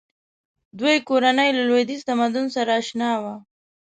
دوی کورنۍ له لویدیځ تمدن سره اشنا وه.